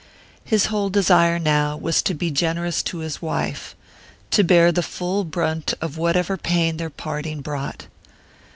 His whole desire now was to be generous to his wife: to bear the full brunt of whatever pain their parting brought.